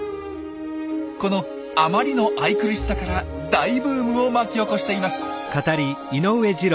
このあまりの愛くるしさから大ブームを巻き起こしています！